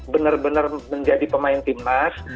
benar benar menjadi pemain tim nas